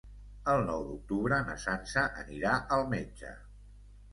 El nou d'octubre na Sança anirà al metge.